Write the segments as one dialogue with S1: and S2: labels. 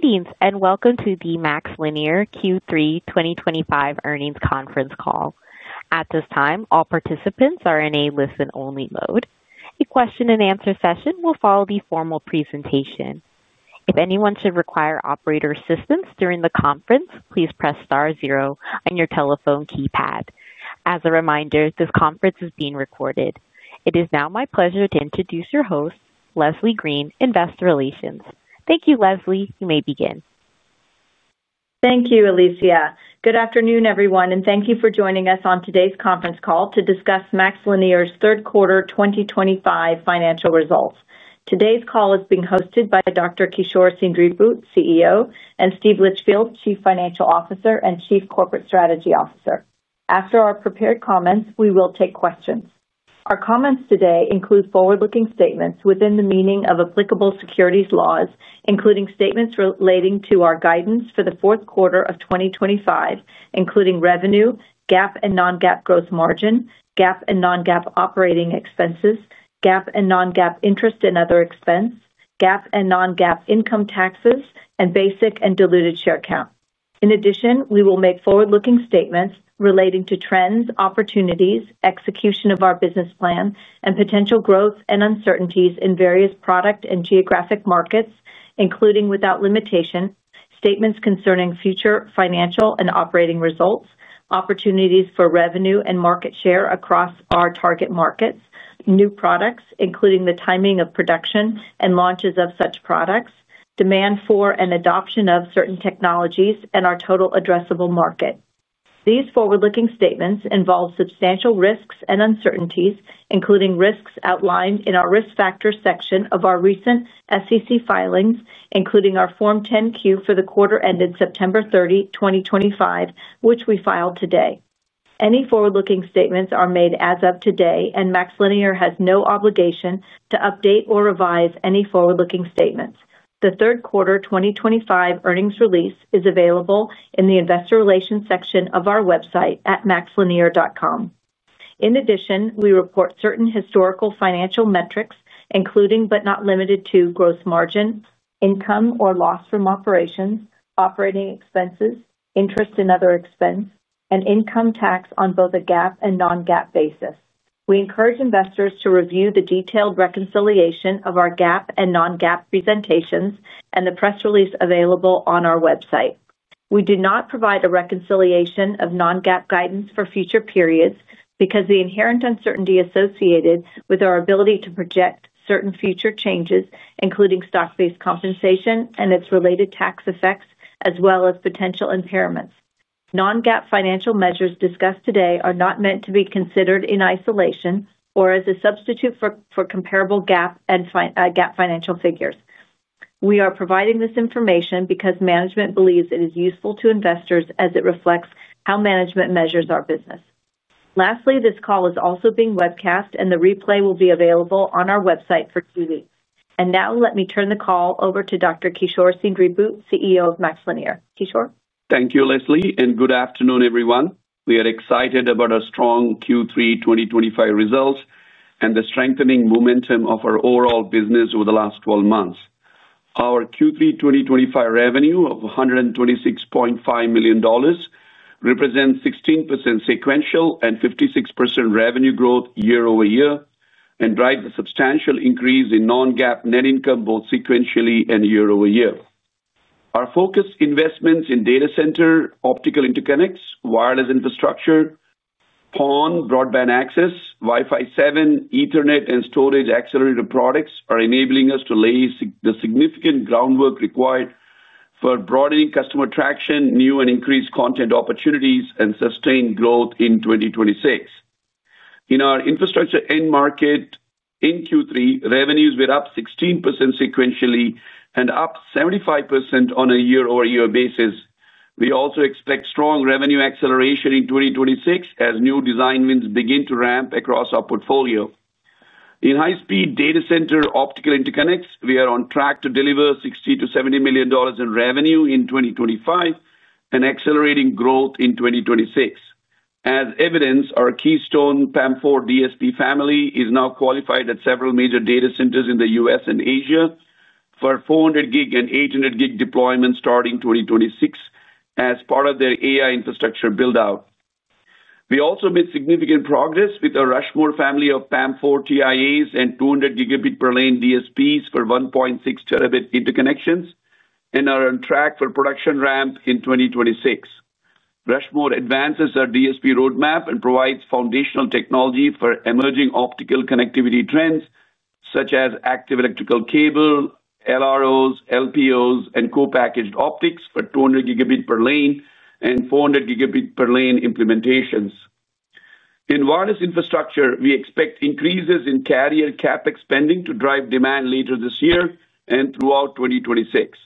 S1: Greetings and welcome to the MaxLinear Q3 2025 earnings conference call. At this time, all participants are in a listen-only mode. A question-and-answer session will follow the formal presentation. If anyone should require operator assistance during the conference, please press star zero on your telephone keypad. As a reminder, this conference is being recorded. It is now my pleasure to introduce your host, Leslie Green, Investor Relations. Thank you, Leslie. You may begin.
S2: Thank you, Alicia. Good afternoon, everyone, and thank you for joining us on today's conference call to discuss MaxLinear's third quarter 2025 financial results. Today's call is being hosted by Dr. Kishore Seendripu, CEO, and Steve Litchfield, Chief Financial Officer and Chief Corporate Strategy Officer. After our prepared comments, we will take questions. Our comments today include forward-looking statements within the meaning of applicable securities laws, including statements relating to our guidance for the fourth quarter of 2025, including revenue, GAAP and non-GAAP gross margin, GAAP and non-GAAP operating expenses, GAAP and non-GAAP interest and other expense, GAAP and non-GAAP income taxes, and basic and diluted share count. In addition, we will make forward-looking statements relating to trends, opportunities, execution of our business plan, and potential growth and uncertainties in various product and geographic markets, including without limitation, statements concerning future financial and operating results, opportunities for revenue and market share across our target markets, new products, including the timing of production and launches of such products, demand for and adoption of certain technologies, and our total addressable market. These forward-looking statements involve substantial risks and uncertainties, including risks outlined in our Risk Factors section of our recent SEC filings, including our Form 10-Q for the quarter ended September 30, 2025, which we filed today. Any forward-looking statements are made as of today, and MaxLinear has no obligation to update or revise any forward-looking statements. The third quarter 2025 earnings release is available in the investor relations section of our website at maxlinear.com. In addition, we report certain historical financial metrics, including but not limited to gross margin, income or loss from operations, operating expenses, interest and other expense, and income tax on both a GAAP and non-GAAP basis. We encourage investors to review the detailed reconciliation of our GAAP and non-GAAP presentations and the press release available on our website. We do not provide a reconciliation of non-GAAP guidance for future periods because of the inherent uncertainty associated with our ability to project certain future changes, including stock-based compensation and its related tax effects, as well as potential impairments. Non-GAAP financial measures discussed today are not meant to be considered in isolation or as a substitute for comparable GAAP and GAAP financial figures. We are providing this information because management believes it is useful to investors as it reflects how management measures our business. Lastly, this call is also being webcast, and the replay will be available on our website for two weeks. Now, let me turn the call over to Dr. Kishore Seendripu, CEO of MaxLinear. Kishore?
S3: Thank you, Leslie, and good afternoon, everyone. We are excited about our strong Q3 2025 results and the strengthening momentum of our overall business over the last 12 months. Our Q3 2025 revenue of $126.5 million represents 16% sequential and 56% revenue growth year-over-year and drives a substantial increase in non-GAAP net income both sequentially and year over year. Our focused investments in data center, optical interconnects, wireless infrastructure, PON, broadband access, Wi-Fi 7, Ethernet, and storage accelerator products are enabling us to lay the significant groundwork required for broadening customer traction, new and increased content opportunities, and sustained growth in 2026. In our infrastructure end market, in Q3, revenues were up 16% sequentially and up 75% on a year-over-year basis. We also expect strong revenue acceleration in 2026 as new design wins begin to ramp across our portfolio. In high-speed data center optical interconnects, we are on track to deliver $60 million-$70 million in revenue in 2025 and accelerating growth in 2026. As evidenced, our Keystone PAM4 DSP family is now qualified at several major data centers in the U.S. and Asia for 400-gig and 800-gig deployments starting 2026 as part of their AI infrastructure buildout. We also made significant progress with our Rushmore family of PAM4 TIAs and 200 Gb per lane DSPs for 1.6 Tb interconnections and are on track for production ramp in 2026. Rushmore advances our DSP roadmap and provides foundational technology for emerging optical connectivity trends such as active electrical cable, LROs, LPOs, and co-packaged optics for 200 Gb per lane and 400 Gb per lane implementations. In wireless infrastructure, we expect increases in carrier CapEx spending to drive demand later this year and throughout 2026.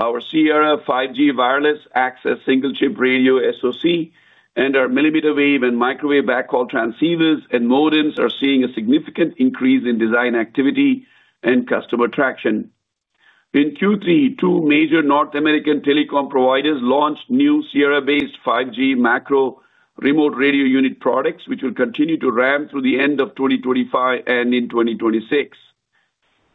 S3: Our Sierra 5G wireless access single-chip radio SoC and our millimeter wave and microwave backhaul transceivers and modems are seeing a significant increase in design activity and customer traction. In Q3, two major North American telecom providers launched new Sierra-based 5G macro remote radio unit products, which will continue to ramp through the end of 2025 and in 2026.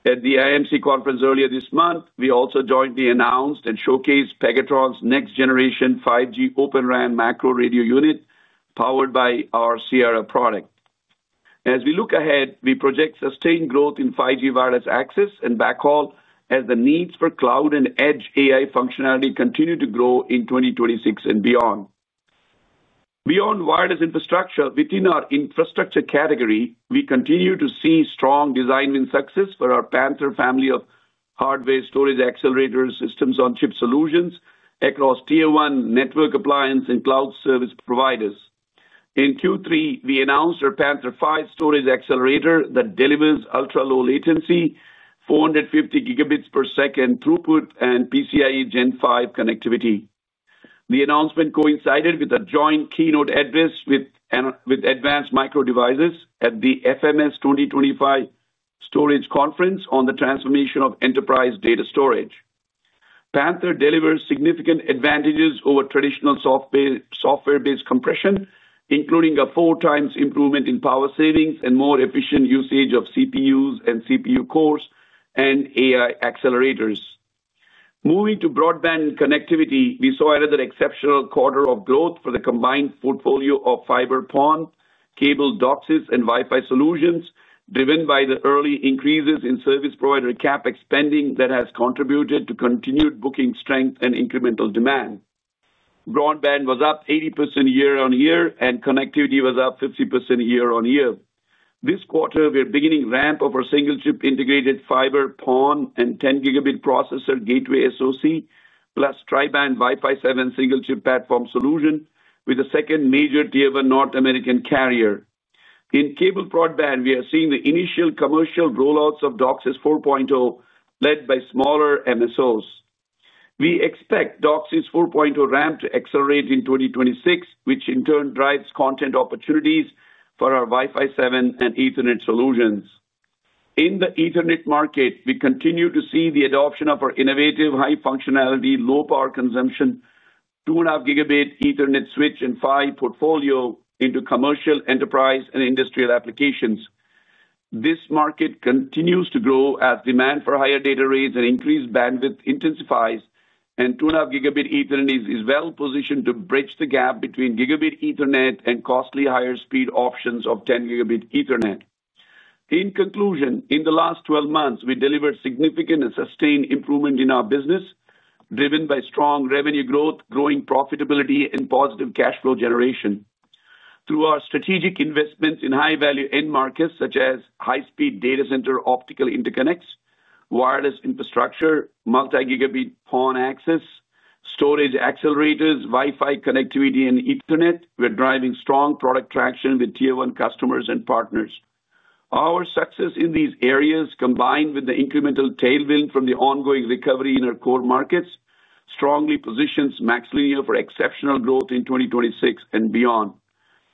S3: At the IMC conference earlier this month, we also jointly announced and showcased Pegatron's next-generation 5G open RAN macro radio unit powered by our Sierra product. As we look ahead, we project sustained growth in 5G wireless access and backhaul as the needs for cloud and edge AI functionality continue to grow in 2026 and beyond. Beyond wireless infrastructure, within our infrastructure category, we continue to see strong design win success for our Panther family of hardware storage accelerators, systems-on-chip solutions across tier one network appliance and cloud service providers. In Q3, we announced our Panther 5 storage accelerator that delivers ultra-low latency, 450 Gbs per second throughput, and PCIe Gen 5 connectivity. The announcement coincided with a joint keynote address with Advanced Micro Devices at the FMS 2025 storage conference on the transformation of enterprise data storage. Panther delivers significant advantages over traditional software-based compression, including a 4x improvement in power savings and more efficient usage of CPUs and CPU cores and AI accelerators. Moving to broadband connectivity, we saw another exceptional quarter of growth for the combined portfolio of fiber PON, cable DOCSIS, and Wi-Fi solutions, driven by the early increases in service provider CapEx spending that has contributed to continued booking strength and incremental demand. Broadband was up 80% year-on-year, and connectivity was up 50% year-on-year. This quarter, we are beginning ramp of our single-chip integrated fiber PON and 10-Gb processor gateway SoC, plus tri-band Wi-Fi 7 single-chip platform solution with a second major Tier 1 North American carrier. In cable broadband, we are seeing the initial commercial rollouts of DOCSIS 4.0 led by smaller MSOs. We expect DOCSIS 4.0 ramp to accelerate in 2026, which in turn drives content opportunities for our Wi-Fi 7 and Ethernet solutions. In the Ethernet market, we continue to see the adoption of our innovative high functionality, low power consumption, 2.5 Gb Ethernet switch and PHY portfolio into commercial, enterprise, and industrial applications. This market continues to grow as demand for higher data rates and increased bandwidth intensifies, and 2.5 Gb Ethernet is well positioned to bridge the gap between Gb Ethernet and costly higher speed options of 10 Gb Ethernet. In conclusion, in the last 12 months, we delivered significant and sustained improvement in our business, driven by strong revenue growth, growing profitability, and positive cash flow generation. Through our strategic investments in high-value end markets such as high-speed data center optical interconnects, wireless infrastructure, multi-Gb PON access, storage accelerators, Wi-Fi connectivity, and Ethernet, we're driving strong product traction with tier one customers and partners. Our success in these areas, combined with the incremental tailwind from the ongoing recovery in our core markets, strongly positions MaxLinear for exceptional growth in 2026 and beyond.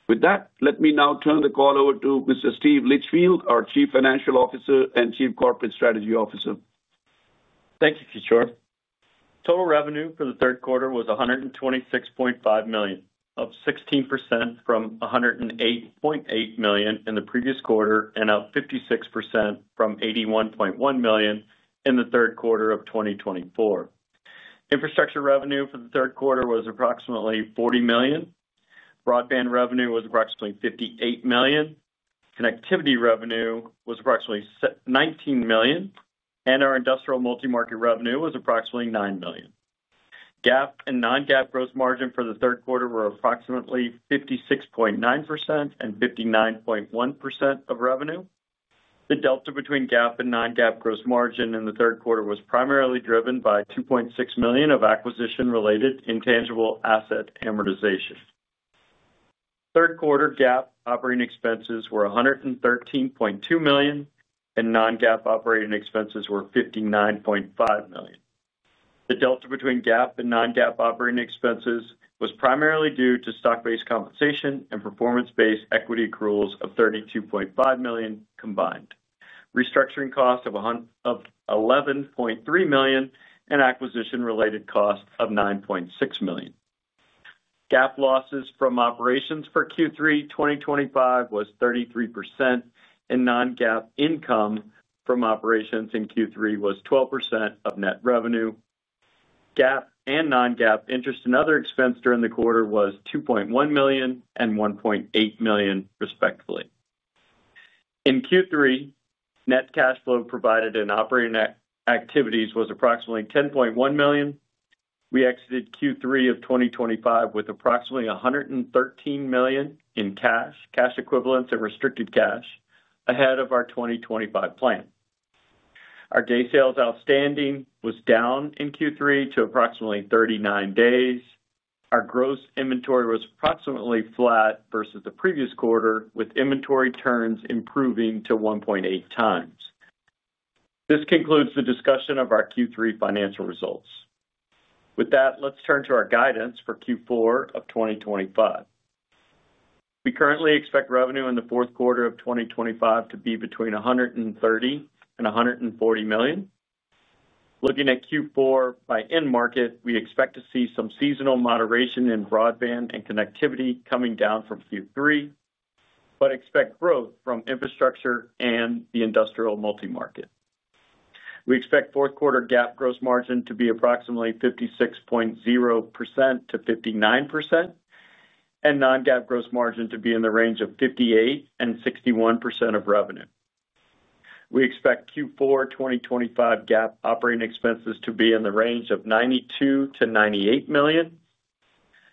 S3: With that, let me now turn the call over to Mr. Steve Litchfield, our Chief Financial Officer and Chief Corporate Strategy Officer.
S4: Thank you, Kishore. Total revenue for the third quarter was $126.5 million, up 16% from $108.8 million in the previous quarter and up 56% from $81.1 million in the third quarter of 2024. Infrastructure revenue for the third quarter was approximately $40 million. Broadband revenue was approximately $58 million. Connectivity revenue was approximately $19 million, and our industrial multi-market revenue was approximately $9 million. GAAP and non-GAAP gross margin for the third quarter were approximately 56.9% and 59.1% of revenue. The delta between GAAP and non-GAAP gross margin in the third quarter was primarily driven by $2.6 million of acquisition-related intangible asset amortization. Third quarter GAAP operating expenses were $113.2 million, and non-GAAP operating expenses were $59.5 million. The delta between GAAP and non-GAAP operating expenses was primarily due to stock-based compensation and performance-based equity accruals of $32.5 million combined, restructuring cost of $11.3 million, and acquisition-related cost of $9.6 million. GAAP losses from operations for Q3 2025 was 33%, and non-GAAP income from operations in Q3 was 12% of net revenue. GAAP and non-GAAP interest and other expense during the quarter was $2.1 million and $1.8 million, respectively. In Q3, net cash flow provided in operating activities was approximately $10.1 million. We exited Q3 of 2025 with approximately $113 million in cash, cash equivalents, and restricted cash, ahead of our 2025 plan. Our day sales outstanding was down in Q3 to approximately 39 days. Our gross inventory was approximately flat versus the previous quarter, with inventory turns improving to 1.8x. This concludes the discussion of our Q3 financial results. With that, let's turn to our guidance for Q4 of 2025. We currently expect revenue in the fourth quarter of 2025 to be between $130 million and $140 million. Looking at Q4 by end market, we expect to see some seasonal moderation in broadband and connectivity coming down from Q3, but expect growth from infrastructure and the industrial multi-market. We expect fourth quarter GAAP gross margin to be approximately 56.0%-59%, and non-GAAP gross margin to be in the range of 58% and 61% of revenue. We expect Q4 2025 GAAP operating expenses to be in the range of $92 million-$98 million.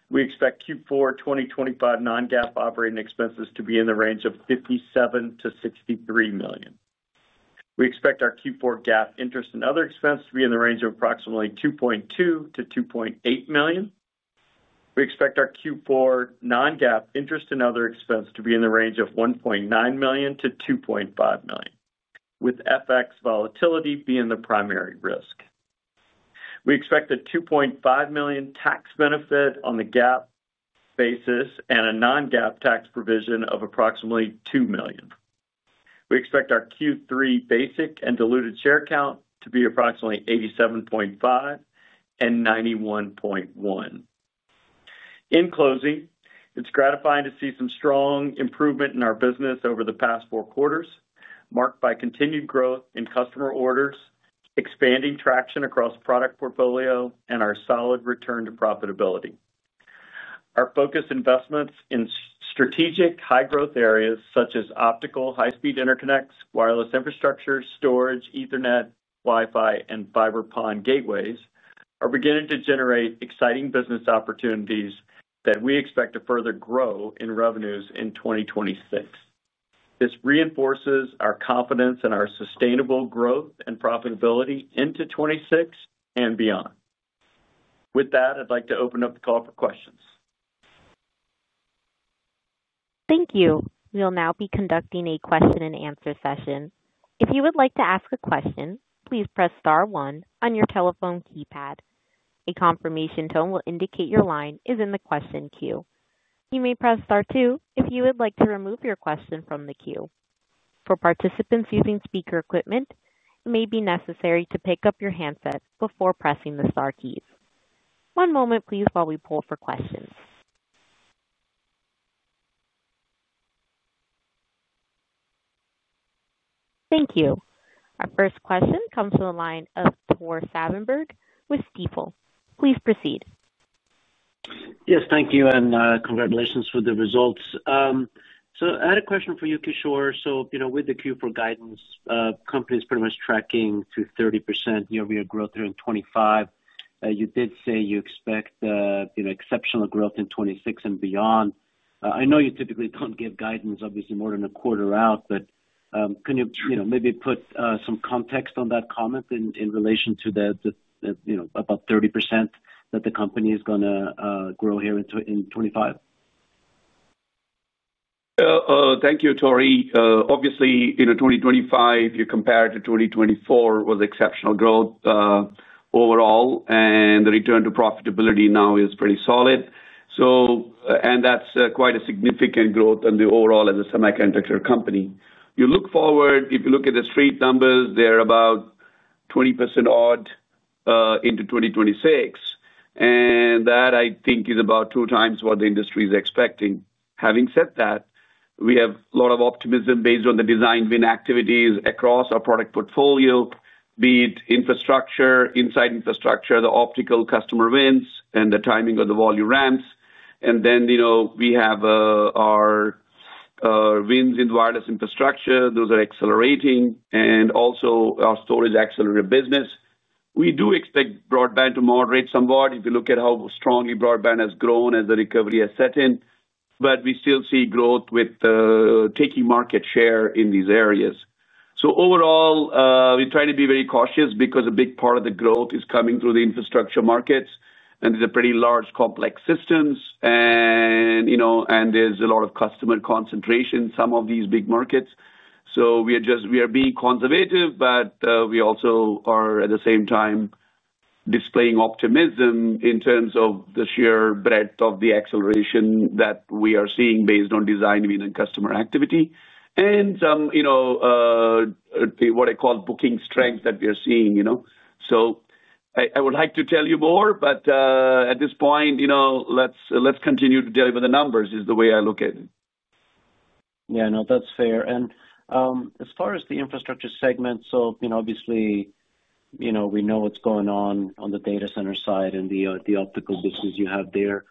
S4: We expect Q4 2025 non-GAAP operating expenses to be in the range of $57 million-$63 million. We expect our Q4 GAAP interest and other expense to be in the range of approximately $2.2 million-$2.8 million. We expect our Q4 non-GAAP interest and other expense to be in the range of $1.9 million to $2.5 million, with FX volatility being the primary risk. We expect a $2.5 million tax benefit on the GAAP basis and a non-GAAP tax provision of approximately $2 million. We expect our Q3 basic and diluted share count to be approximately 87.5 million and 91.1 million. In closing, it's gratifying to see some strong improvement in our business over the past four quarters, marked by continued growth in customer orders, expanding traction across product portfolio, and our solid return to profitability. Our focused investments in strategic high-growth areas such as optical high-speed interconnects, wireless infrastructure, storage, Ethernet, Wi-Fi, and fiber PON gateways are beginning to generate exciting business opportunities that we expect to further grow in revenues in 2026. This reinforces our confidence in our sustainable growth and profitability into 2026 and beyond. With that, I'd like to open up the call for questions.
S1: Thank you. We'll now be conducting a question-and-answer session. If you would like to ask a question, please press star, one on your telephone keypad. A confirmation tone will indicate your line is in the question queue. You may press star, two if you would like to remove your question from the queue. For participants using speaker equipment, it may be necessary to pick up your handset before pressing the star keys. One moment, please, while we pull for questions. Thank you. Our first question comes to the line of Tore Svanberg with Stifel. Please proceed.
S5: Yes, thank you, and congratulations for the results. I had a question for you, Kishore. With the Q4 guidance, companies pretty much tracking through 30% year-over-year growth here in 2025. You did say you expect exceptional growth in 2026 and beyond. I know you typically don't give guidance, obviously, more than a quarter out, but can you maybe put some context on that comment in relation to the about 30% that the company is going to grow here in 2025?
S3: Thank you, Tore. Obviously, in 2025, you compare it to 2024 with exceptional growth overall, and the return to profitability now is pretty solid. That's quite a significant growth in the overall as a semiconductor company. You look forward, if you look at the street numbers, they're about 20% odd into 2026, and that I think is about two times what the industry is expecting. Having said that, we have a lot of optimism based on the design win activities across our product portfolio, be it infrastructure, inside infrastructure, the optical customer wins, and the timing of the volume ramps. We have our wins in wireless infrastructure. Those are accelerating, and also our storage accelerator business. We do expect broadband to moderate somewhat if you look at how strongly broadband has grown as the recovery has set in, but we still see growth with taking market share in these areas. Overall, we try to be very cautious because a big part of the growth is coming through the infrastructure markets, and these are pretty large complex systems, and there's a lot of customer concentration in some of these big markets. We are just, we are being conservative, but we also are at the same time displaying optimism in terms of the sheer breadth of the acceleration that we are seeing based on design win and customer activity and what I call booking strength that we are seeing. I would like to tell you more, but at this point, let's continue to tell you about the numbers is the way I look at it.
S5: Yeah, no, that's fair. As far as the infrastructure segment, obviously, we know what's going on on the data center side and the optical business you have there.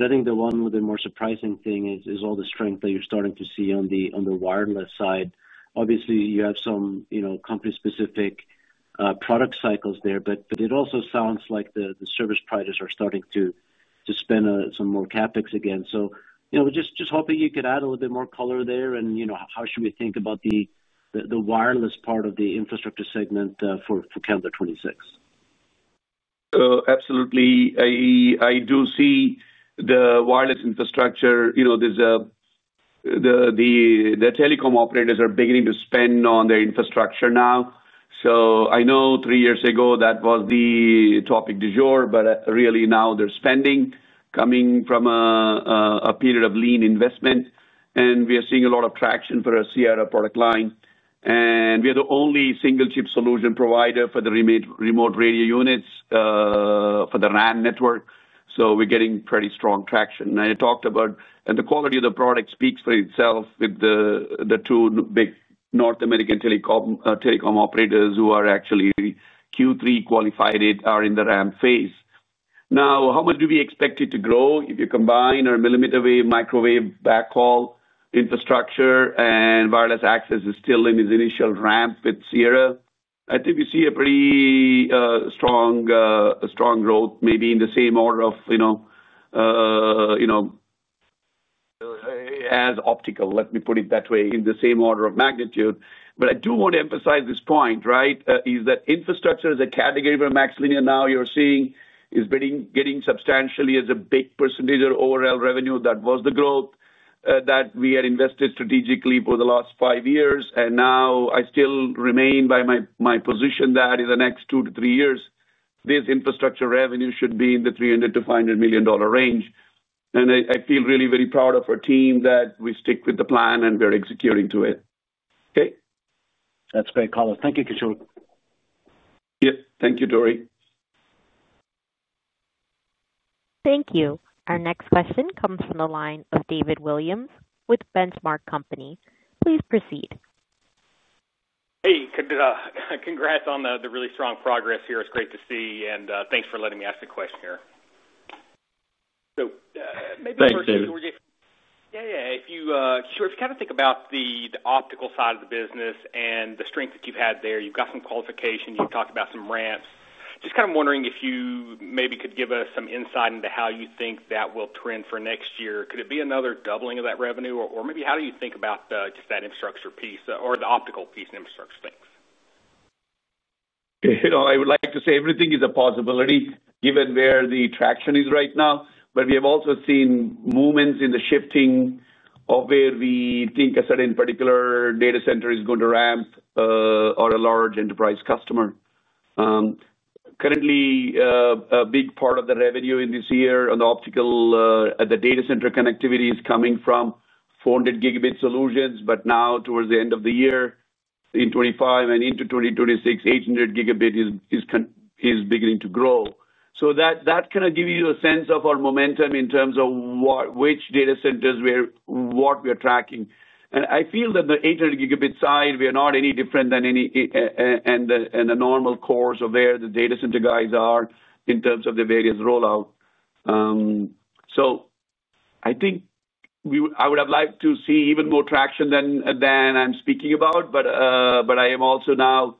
S5: I think one of the more surprising things is all the strength that you're starting to see on the wireless side. Obviously, you have some company-specific product cycles there, but it also sounds like the service providers are starting to spend some more CapEx again. We're just hoping you could add a little bit more color there, and how should we think about the wireless part of the infrastructure segment for calendar 2026?
S3: Absolutely. I do see the wireless infrastructure, you know, the telecom operators are beginning to spend on their infrastructure now. Three years ago that was the topic du jour, but really now their spending is coming from a period of lean investment, and we are seeing a lot of traction for our Sierra product line. We are the only single-chip solution provider for the remote radio units for the RAN network. We're getting pretty strong traction. I talked about, and the quality of the product speaks for itself with the two big North American telecom operators who are actually Q3 qualified, are in the ramp phase. Now, how much do we expect it to grow? If you combine our millimeter wave, microwave backhaul infrastructure, and wireless access is still in its initial ramp with Sierra, I think we see a pretty strong growth, maybe in the same order of, you know, as optical, let me put it that way, in the same order of magnitude. I do want to emphasize this point, right, is that infrastructure is a category where MaxLinear now you're seeing is getting substantially as a big percentage of overall revenue. That was the growth that we had invested strategically for the last five years. I still remain by my position that in the next two to three years, this infrastructure revenue should be in the $300 million-$500 million range. I feel really very proud of our team that we stick with the plan and we're executing to it. Okay.
S5: That's a great call. Thank you, Kishore.
S3: Yeah, thank you, Tore.
S1: Thank you. Our next question comes from the line of David Williams with The Benchmark Company. Please proceed.
S6: Hey, congrats on the really strong progress here. It's great to see, and thanks for letting me ask the question here.
S3: If you kind of think about the optical side of the business and the strength that you've had there, you've got some qualification, you've talked about some ramps. Just kind of wondering if you maybe could give us some insight into how you think that will trend for next year. Could it be another doubling of that revenue, or maybe how do you think about just that infrastructure piece or the optical piece and infrastructure things? I would like to say everything is a possibility given where the traction is right now, but we have also seen movements in the shifting of where we think a certain particular data center is going to ramp or a large enterprise customer. Currently, a big part of the revenue in this year on the optical, at the data center connectivity, is coming from 400 Gb solutions, but now towards the end of the year, in 2025 and into 2026, 800 Gb is beginning to grow. That kind of gives you a sense of our momentum in terms of which data centers where what we are tracking. I feel that the 800 Gb side, we are not any different than any and the normal course of where the data center guys are in terms of the various rollout. I think I would have liked to see even more traction than I'm speaking about, but I am also now,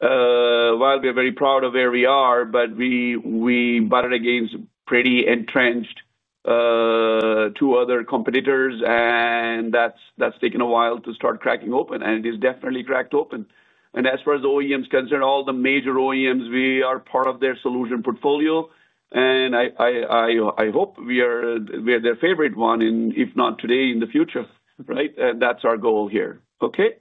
S3: while we are very proud of where we are, but we butted against pretty entrenched two other competitors, and that's taken a while to start cracking open, and it is definitely cracked open. As far as the OEMs are concerned, all the major OEMs, we are part of their solution portfolio, and I hope we are their favorite one, and if not today, in the future, right? That's our goal here. Okay.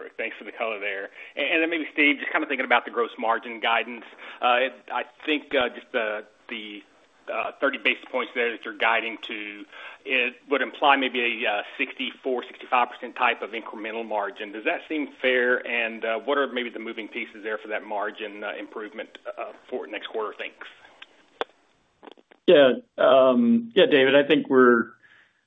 S6: Perfect. Thanks for the color there. Maybe, Steve, just kind of thinking about the gross margin guidance, I think just the 30 basis points there that you're guiding to would imply maybe a 64%, 65% type of incremental margin. Does that seem fair? What are maybe the moving pieces there for that margin improvement for next quarter? Thanks.
S4: Yeah, David, I think we're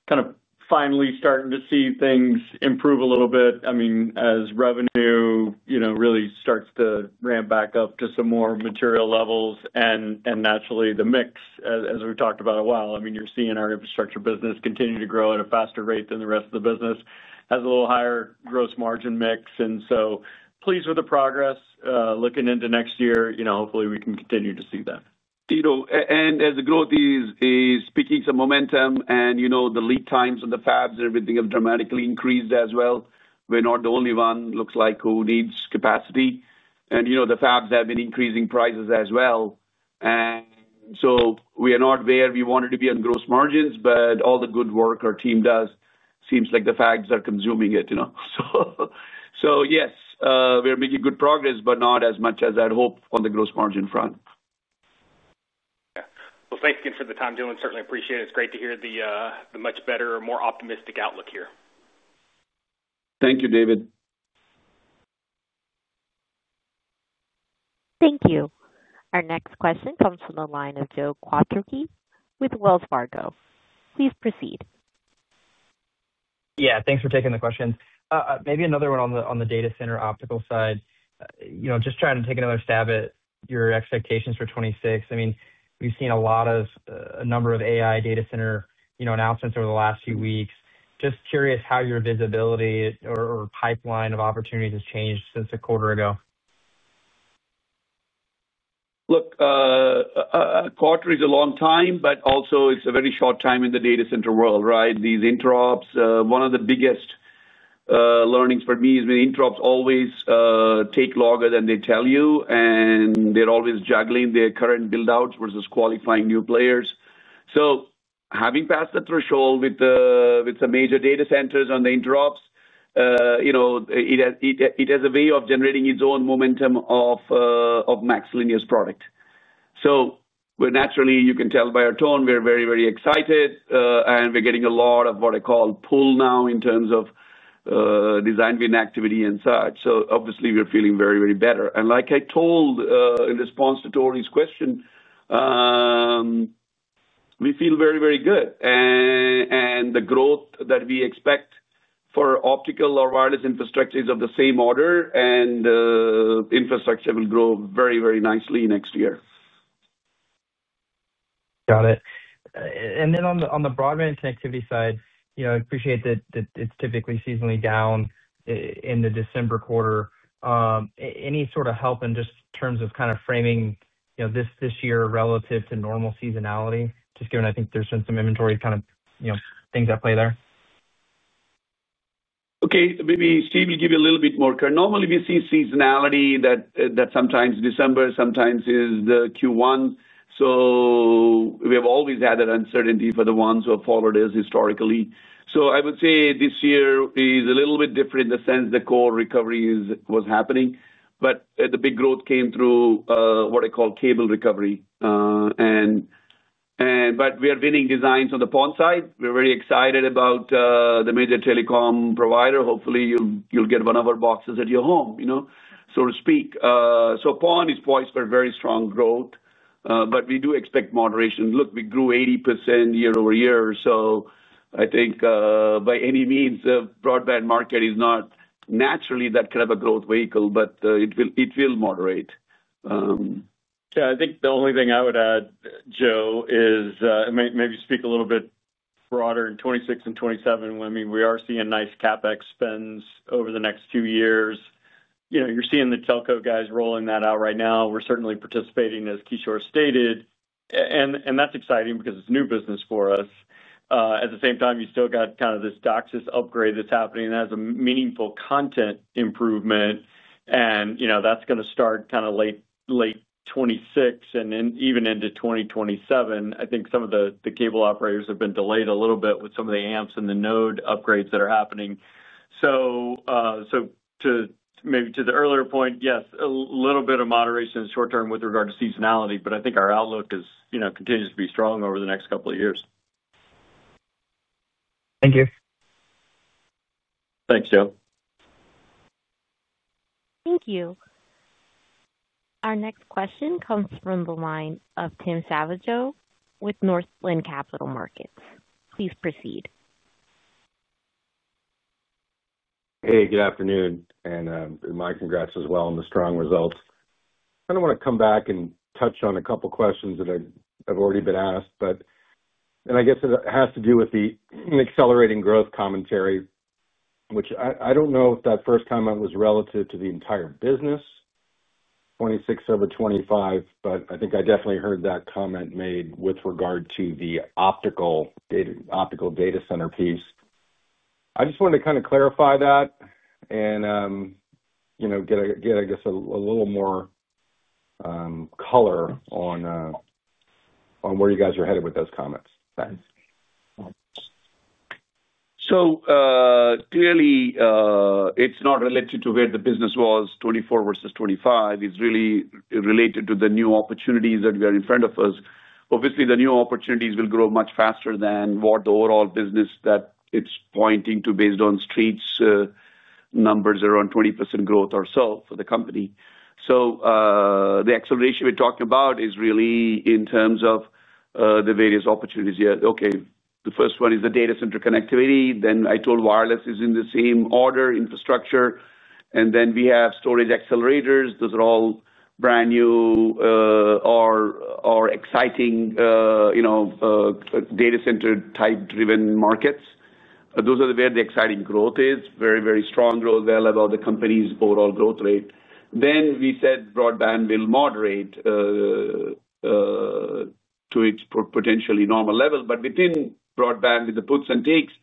S4: kind of finally starting to see things improve a little bit. I mean, as revenue really starts to ramp back up to some more material levels, and naturally, the mix, as we've talked about a while, you're seeing our infrastructure business continue to grow at a faster rate than the rest of the business, has a little higher gross margin mix. I'm pleased with the progress. Looking into next year, hopefully, we can continue to see that.
S3: You know, as the growth is picking some momentum, the lead times on the fabs and everything have dramatically increased as well. We're not the only one, looks like, who needs capacity. The fabs have been increasing prices as well. We are not where we wanted to be on gross margins, but all the good work our team does seems like the fabs are consuming it, you know. Yes, we're making good progress, but not as much as I'd hope on the gross margin front.
S6: Thank you again for the time, Kishore. Certainly appreciate it. It's great to hear the much better, more optimistic outlook here.
S3: Thank you, David.
S1: Thank you. Our next question comes from the line of Joe Quatrochi with Wells Fargo. Please proceed.
S7: Yeah, thanks for taking the questions. Maybe another one on the data center optical side. Just trying to take another stab at your expectations for 2026. I mean, we've seen a lot of a number of AI data center announcements over the last few weeks. Just curious how your visibility or pipeline of opportunities has changed since a quarter ago.
S3: Look, a quarter is a long time, but also it's a very short time in the data center world, right? These interops, one of the biggest learnings for me is when interops always take longer than they tell you, and they're always juggling their current buildouts versus qualifying new players. Having passed the threshold with the major data centers on the interops, it has a way of generating its own momentum of MaxLinear's product. You can tell by our tone we're very, very excited, and we're getting a lot of what I call pull now in terms of design win activity and such. Obviously, we're feeling very, very better. Like I told in response to Tori's question, we feel very, very good. The growth that we expect for optical or wireless infrastructure is of the same order, and infrastructure will grow very, very nicely next year.
S7: Got it. On the broadband connectivity side, I appreciate that it's typically seasonally down in the December quarter. Any sort of help in just terms of kind of framing this year relative to normal seasonality, just given I think there's been some inventory kind of things at play there?
S3: Okay. Maybe Steve will give you a little bit more clarity. Normally, we see seasonality that sometimes December, sometimes is the Q1. We have always had that uncertainty for the ones who have followed us historically. I would say this year is a little bit different in the sense the core recovery was happening, but the big growth came through what I call cable recovery. We are winning designs on the PON side. We're very excited about the major telecom provider. Hopefully, you'll get one of our boxes at your home, you know, so to speak. PON is poised for very strong growth, but we do expect moderation. Look, we grew 80% year-over-year. I think by any means, the broadband market is not naturally that kind of a growth vehicle, but it will moderate.
S4: Yeah, I think the only thing I would add, Joe, is maybe speak a little bit broader in 2026 and 2027. I mean, we are seeing nice CapEx spends over the next two years. You know, you're seeing the telco guys rolling that out right now. We're certainly participating, as Kishore stated. That's exciting because it's new business for us. At the same time, you still got kind of this DOCSIS upgrade that's happening as a meaningful content improvement. You know, that's going to start kind of late 2026 and even into 2027. I think some of the cable operators have been delayed a little bit with some of the amps and the node upgrades that are happening. To maybe the earlier point, yes, a little bit of moderation in the short term with regard to seasonality, but I think our outlook continues to be strong over the next couple of years.
S7: Thank you.
S4: Thanks, Joe.
S1: Thank you. Our next question comes from the line of Tim Savageaux with Northland Capital Markets. Please proceed.
S8: Hey, good afternoon, and my congrats as well on the strong results. I want to come back and touch on a couple of questions that have already been asked. I guess it has to do with the accelerating growth commentary, which I don't know if that first comment was relative to the entire business, 2026 over 2025, but I think I definitely heard that comment made with regard to the optical data center piece. I just wanted to clarify that and get a little more color on where you guys are headed with those comments.
S3: Thanks. Clearly, it's not related to where the business was 2024 versus 2025. It's really related to the new opportunities that are in front of us. Obviously, the new opportunities will grow much faster than what the overall business that it's pointing to based on street numbers around 20% growth ourselves for the company. The acceleration we're talking about is really in terms of the various opportunities here. The first one is the data center connectivity. I told wireless is in the same order, infrastructure. We have storage accelerators. Those are all brand new or exciting, you know, data center type-driven markets. Those are where the exciting growth is. Very, very strong growth there about the company's overall growth rate. We said broadband will moderate to its potentially normal level. Within broadband, with the puts and takes,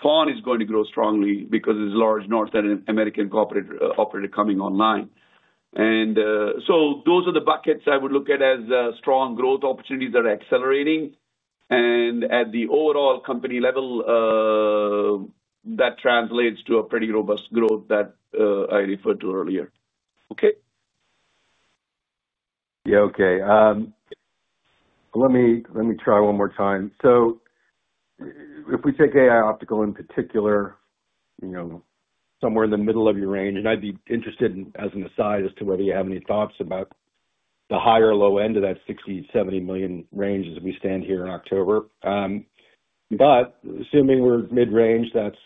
S3: PON is going to grow strongly because it's a large North American operator coming online. Those are the buckets I would look at as strong growth opportunities that are accelerating. At the overall company level, that translates to a pretty robust growth that I referred to earlier. Okay?
S8: Let me try one more time. If we take AI optical in particular, somewhere in the middle of your range, I'd be interested as an aside as to whether you have any thoughts about the higher or low end of that $60 million-$70 million range as we stand here in October. Assuming we're mid-range, that's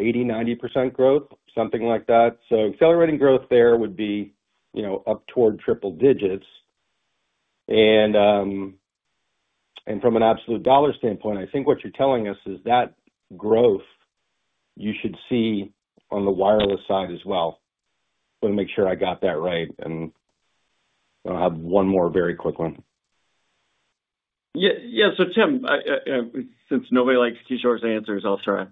S8: 80%-90% growth, something like that. Accelerating growth there would be up toward triple digits. From an absolute dollar standpoint, I think what you're telling us is that growth you should see on the wireless side as well. I want to make sure I got that right. I'll have one more very quick one.
S4: Yeah, yeah. Tim, since nobody likes Kishore's answers, I'll try.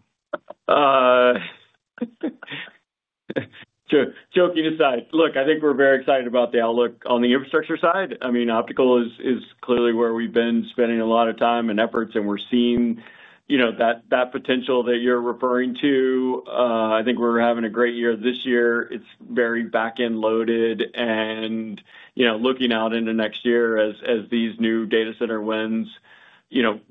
S4: Joking aside, look, I think we're very excited about the outlook on the infrastructure side. Optical is clearly where we've been spending a lot of time and efforts, and we're seeing that potential that you're referring to. I think we're having a great year this year. It's very back-end loaded. Looking out into next year as these new data center wins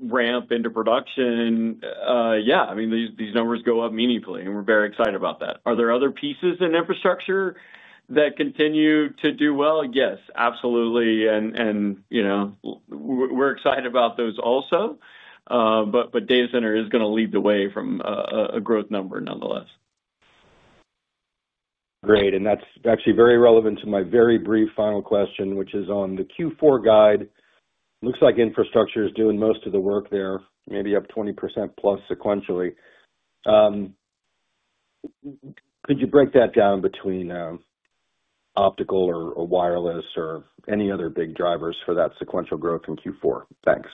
S4: ramp into production, yeah, these numbers go up meaningfully, and we're very excited about that. Are there other pieces in infrastructure that continue to do well? Yes, absolutely. We're excited about those also. Data center is going to lead the way from a growth number nonetheless.
S8: Great. That's actually very relevant to my very brief final question, which is on the Q4 guide. Looks like infrastructure is doing most of the work there, maybe up 20% plus sequentially. Could you break that down between optical or wireless or any other big drivers for that sequential growth in Q4? Thanks.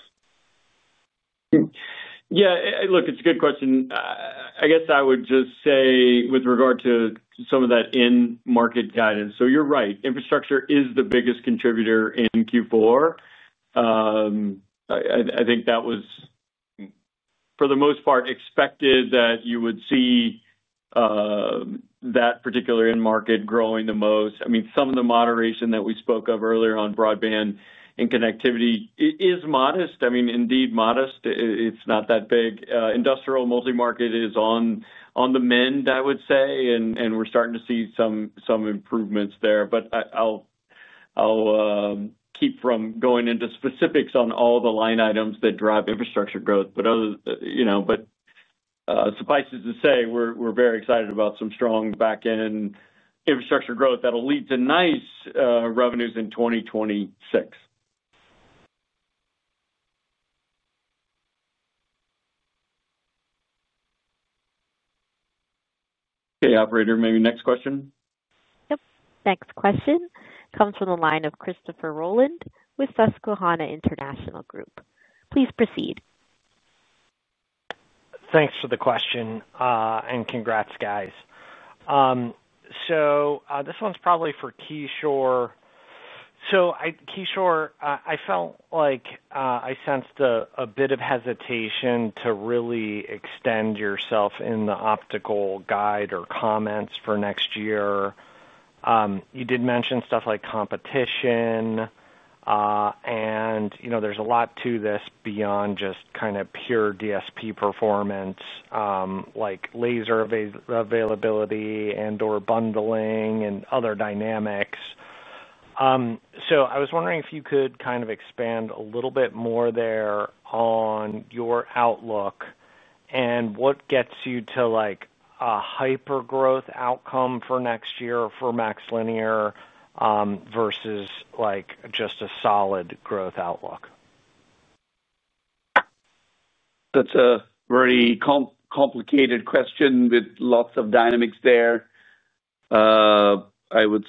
S4: Yeah, look, it's a good question. I guess I would just say with regard to some of that in-market guidance. You're right, infrastructure is the biggest contributor in Q4. I think that was, for the most part, expected that you would see that particular in-market growing the most. Some of the moderation that we spoke of earlier on broadband and connectivity is modest. Indeed, modest. It's not that big. Industrial multi-market is on the mend, I would say, and we're starting to see some improvements there. I'll keep from going into specifics on all the line items that drive infrastructure growth. Suffice it to say, we're very excited about some strong back-end infrastructure growth that will lead to nice revenues in 2026. Okay, operator, maybe next question?
S1: Yep. Next question comes from the line of Christopher Rolland with Susquehanna International Group. Please proceed.
S9: Thanks for the question, and congrats, guys. This one's probably for Kishore. Kishore, I felt like I sensed a bit of hesitation to really extend yourself in the optical guide or comments for next year. You did mention stuff like competition, and you know there's a lot to this beyond just kind of pure DSP performance, like laser availability and/or bundling and other dynamics. I was wondering if you could kind of expand a little bit more there on your outlook and what gets you to like a hypergrowth outcome for next year for MaxLinear versus just a solid growth outlook.
S3: That's a very complicated question with lots of dynamics there. I would,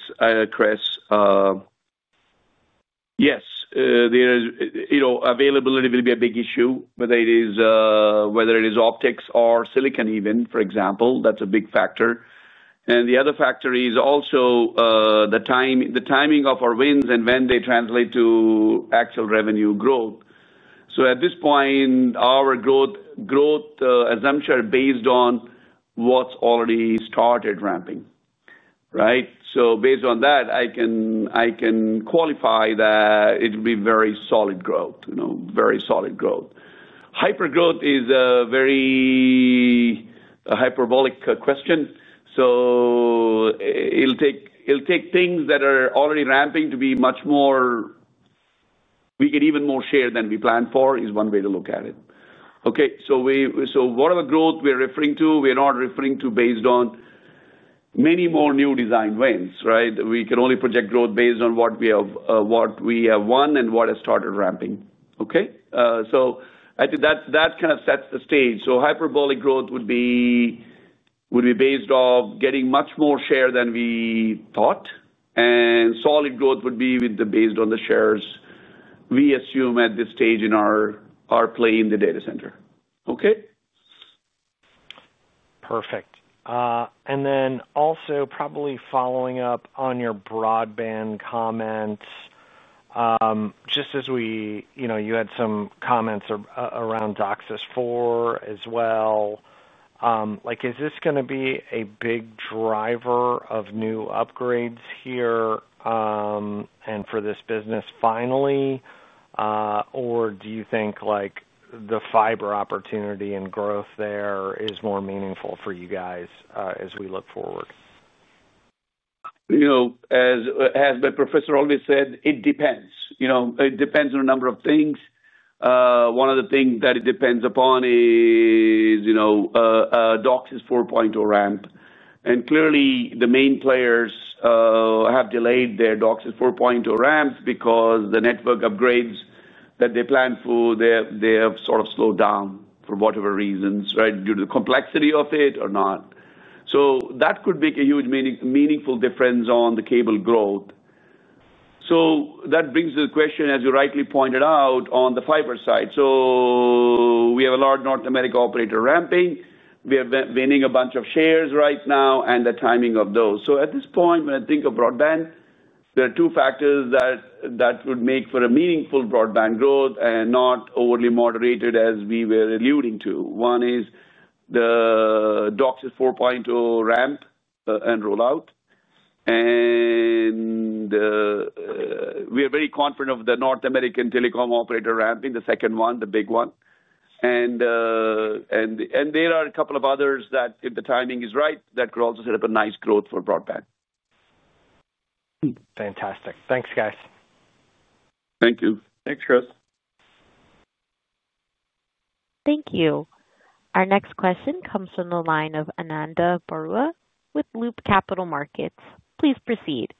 S3: Chris, yes, you know, availability will be a big issue, whether it is optics or silicon even, for example. That's a big factor. The other factor is also the timing of our wins and when they translate to actual revenue growth. At this point, our growth assumption is based on what's already started ramping, right? Based on that, I can qualify that it'll be very solid growth, you know, very solid growth. Hypergrowth is a very hyperbolic question. It'll take things that are already ramping to be much more, we get even more share than we planned for is one way to look at it. Whatever growth we're referring to, we're not referring to based on many more new design wins, right? We can only project growth based on what we have won and what has started ramping. I think that kind of sets the stage. Hyperbolic growth would be based off getting much more share than we thought. Solid growth would be based on the shares we assume at this stage in our play in the data center.
S9: Perfect. Also, probably following up on your broadband comments, just as we, you know, you had some comments around DOCSIS 4 as well. Is this going to be a big driver of new upgrades here and for this business finally, or do you think the fiber opportunity and growth there is more meaningful for you guys as we look forward?
S3: As my professor always said, it depends. It depends on a number of things. One of the things that it depends upon is a DOCSIS 4.0 ramp. Clearly, the main players have delayed their DOCSIS 4.0 ramp because the network upgrades that they planned for have sort of slowed down for whatever reasons, right, due to the complexity of it or not. That could make a huge meaningful difference on the cable growth. That brings to the question, as you rightly pointed out, on the fiber side. We have a large North America operator ramping. We are winning a bunch of shares right now and the timing of those. At this point, when I think of broadband, there are two factors that would make for a meaningful broadband growth and not overly moderated, as we were alluding to. One is the DOCSIS 4.0 ramp and rollout. We are very confident of the North American telecom operator ramping, the second one, the big one. There are a couple of others that, if the timing is right, that could also set up a nice growth for broadband.
S9: Fantastic. Thanks, guys.
S3: Thank you.
S4: Thanks, Chris.
S1: Thank you. Our next question comes from the line of Ananda Baruah with Loop Capital Markets. Please proceed.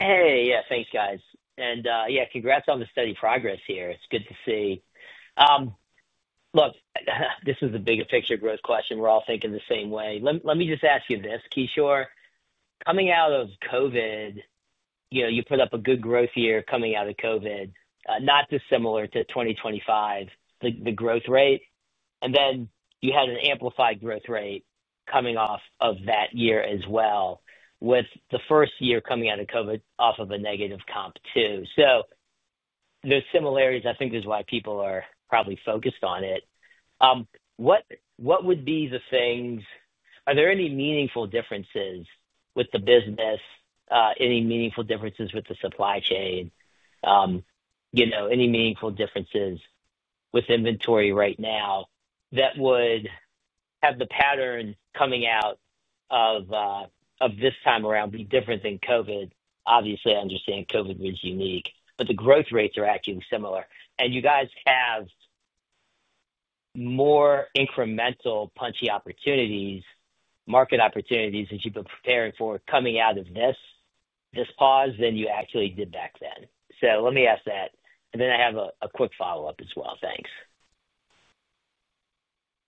S10: Hey, yeah, thanks, guys. Yeah, congrats on the steady progress here. It's good to see. Look, this is the bigger picture growth question. We're all thinking the same way. Let me just ask you this, Kishore. Coming out of COVID, you know, you put up a good growth year coming out of COVID, not dissimilar to 2025, the growth rate. Then you had an amplified growth rate coming off of that year as well, with the first year coming out of COVID off of a negative comp too. Those similarities, I think, are why people are probably focused on it. What would be the things? Are there any meaningful differences with the business, any meaningful differences with the supply chain, any meaningful differences with inventory right now that would have the pattern coming out of this time around be different than COVID? Obviously, I understand COVID was unique, but the growth rates are actually similar. You guys have more incremental punchy opportunities, market opportunities that you've been preparing for coming out of this pause than you actually did back then. Let me ask that. I have a quick follow-up as well. Thanks.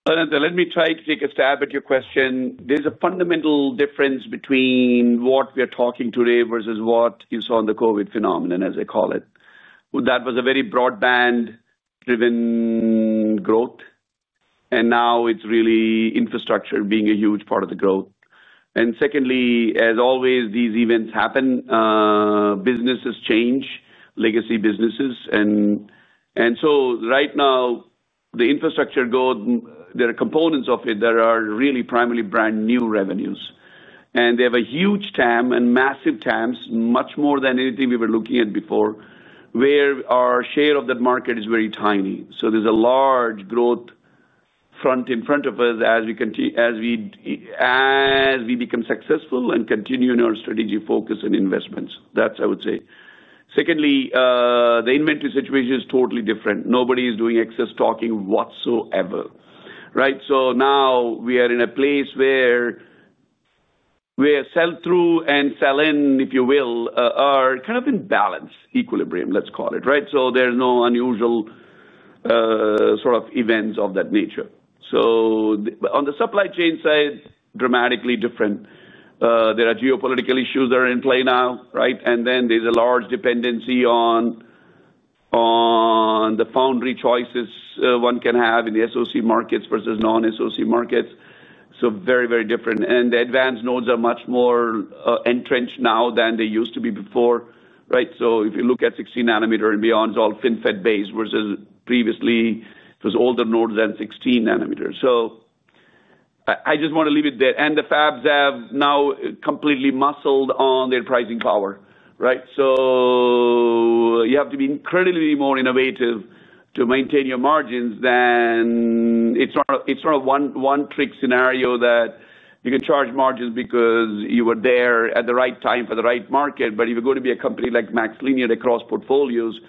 S3: Let me try to take a stab at your question. There's a fundamental difference between what we're talking today versus what you saw in the COVID phenomenon, as they call it. That was a very broadband-driven growth. Now it's really infrastructure being a huge part of the growth. Secondly, as always, these events happen. Businesses change, legacy businesses. Right now, the infrastructure growth, there are components of it that are really primarily brand new revenues. They have a huge TAM and massive TAMs, much more than anything we were looking at before, where our share of that market is very tiny. There's a large growth front in front of us as we become successful and continue in our strategy, focus, and investments. That's what I would say. Secondly, the inventory situation is totally different. Nobody is doing excess talking whatsoever, right? Now we are in a place where sell-through and sell-in, if you will, are kind of in balance, equilibrium, let's call it, right? There's no unusual sort of events of that nature. On the supply chain side, dramatically different. There are geopolitical issues that are in play now, right? There's a large dependency on the foundry choices one can have in the SoC markets versus non-SoC markets. Very, very different. The advanced nodes are much more entrenched now than they used to be before, right? If you look at 16 nanometer and beyond, it's all FinFET-based versus previously, it was older nodes than 16 nanometers. I just want to leave it there. The fabs have now completely muscled on their pricing power, right? You have to be incredibly more innovative to maintain your margins. It's not a one-trick scenario that you can charge margins because you were there at the right time for the right market. If you're going to be a company like MaxLinear that cross portfolios,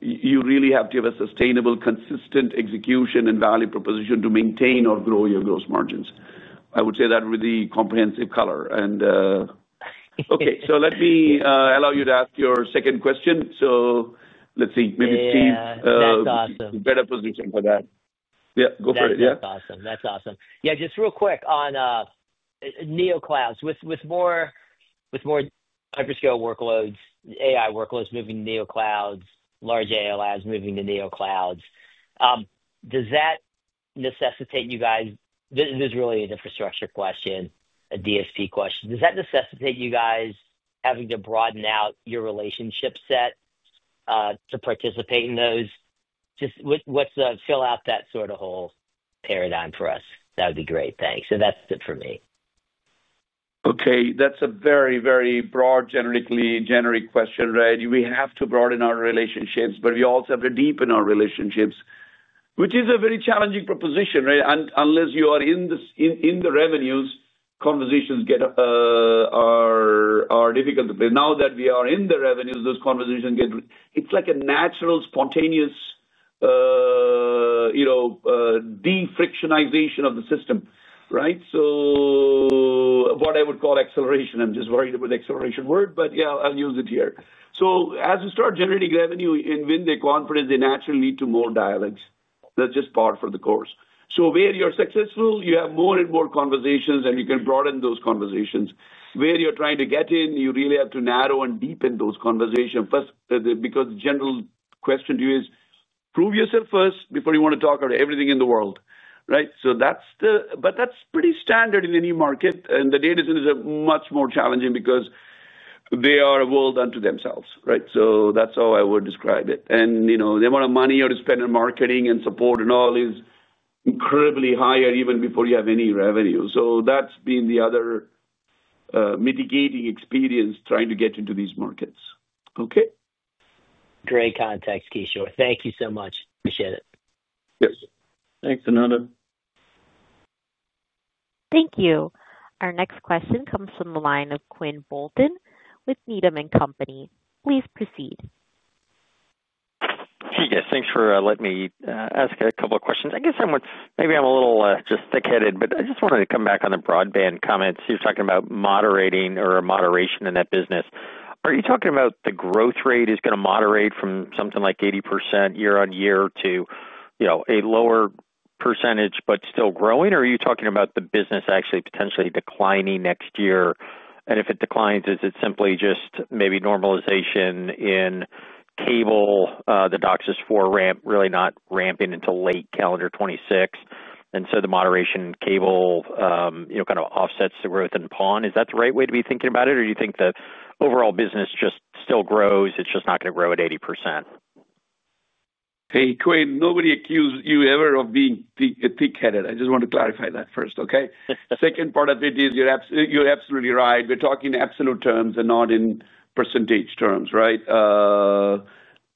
S3: you really have to have a sustainable, consistent execution and value proposition to maintain or grow your gross margins. I would say that with the comprehensive color. Let me allow you to ask your second question. Let's see. Maybe Steve is in a better position for that. Yeah, go for it. Yeah.
S10: That's awesome. That's awesome. Yeah, just real quick on NeoClouds with more hyperscale workloads, AI workloads moving to NeoClouds, large AIs moving to NeoClouds. Does that necessitate you guys? This is really an infrastructure question, a DSP question. Does that necessitate you guys having to broaden out your relationship set to participate in those? Just fill out that sort of whole paradigm for us. That would be great. Thanks. That's it for me.
S3: Okay. That's a very, very broad, generic question, right? We have to broaden our relationships, but we also have to deepen our relationships, which is a very challenging proposition, right? Unless you are in the revenues, conversations are difficult to play. Now that we are in the revenues, those conversations get, it's like a natural, spontaneous, you know, de-frictionization of the system, right? What I would call acceleration. I'm just worried about the acceleration word, but yeah, I'll use it here. As we start generating revenue and win their confidence, they naturally lead to more dialogues. That's just par for the course. Where you're successful, you have more and more conversations, and you can broaden those conversations. Where you're trying to get in, you really have to narrow and deepen those conversations first, because the general question to you is, prove yourself first before you want to talk about everything in the world, right? That's pretty standard in any market. The data centers are much more challenging because they are a world unto themselves, right? That's how I would describe it. The amount of money you have to spend on marketing and support and all is incredibly higher even before you have any revenue. That's been the other mitigating experience trying to get into these markets. Okay.
S6: Great context, Kishore. Thank you so much. Appreciate it.
S3: Yes.
S4: Thanks, Ananda.
S1: Thank you. Our next question comes from the line of Quinn Bolton with Needham & Company. Please proceed.
S11: Yes, thanks for letting me ask a couple of questions. I guess maybe I'm a little just thick-headed, but I just wanted to come back on the broadband comments. You're talking about moderating or a moderation in that business. Are you talking about the growth rate is going to moderate from something like 80% year-on-year to, you know, a lower percentage but still growing? Are you talking about the business actually potentially declining next year? If it declines, is it simply just maybe normalization in cable, the DOCSIS 4.0 ramp really not ramping until late calendar 2026? The moderation in cable, you know, kind of offsets the growth in PON. Is that the right way to be thinking about it? Do you think the overall business just still grows? It's just not going to grow at 80%?
S3: Hey, Quinn, nobody accused you ever of being thick-headed. I just want to clarify that first, okay? Second part of it is you're absolutely right. We're talking in absolute terms and not in % terms, right?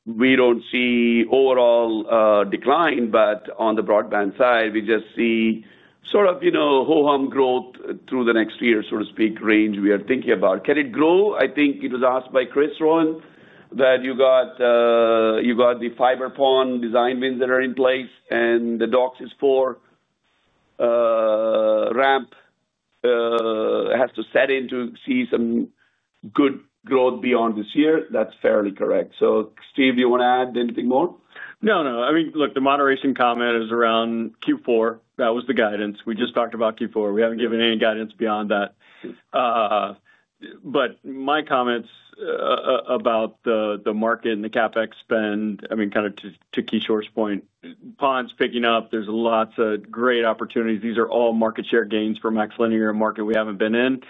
S3: We don't see overall decline, but on the broadband side, we just see sort of, you know, ho-hum growth through the next year, so to speak, range we are thinking about. Can it grow? I think it was asked by Chris, Ron, that you got the fiber PON design wins that are in place and the DOCSIS 4 ramp has to set in to see some good growth beyond this year. That's fairly correct. Steve, do you want to add anything more?
S4: I mean, look, the moderation comment is around Q4. That was the guidance. We just talked about Q4. We haven't given any guidance beyond that. My comments about the market and the CapEx spend, kind of to Kishore's point, PON's picking up. There's lots of great opportunities. These are all market share gains for MaxLinear and a market we haven't been in.